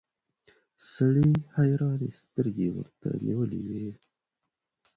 سړي حيرانې سترګې ورته نيولې وې.